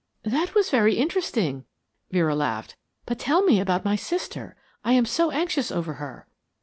"That was very interesting," Vera laughed. "But tell me about my sister. I am so anxious over her."